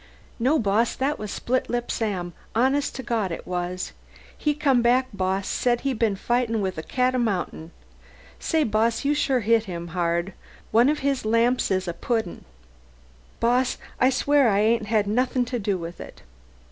"No, boss, that was Splitlip Sam, honest to Gawd it was. He come back, boss; said he'd been fightin' with a cat o' mountain! Say, boss, you sure hit him hard. One of his lamps is a pudding! Boss, I'll swear I ain't had nothin' to do with it."